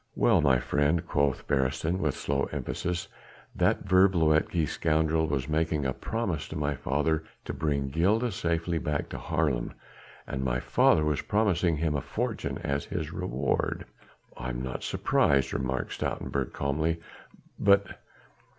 "Well, my friend," quoth Beresteyn with slow emphasis, "that vervloekte scoundrel was making a promise to my father to bring Gilda safely back to Haarlem, and my father was promising him a fortune as his reward." "I am not surprised," remarked Stoutenburg calmly. "But...."